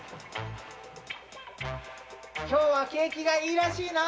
・今日は景気がいいらしいな。